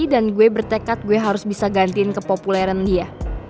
dan gue bertekad gue harus bisa gantiin kepopuleran dia